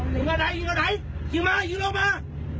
อยู่ไหนอยู่ไหนอยู่มาอยู่ลุงมา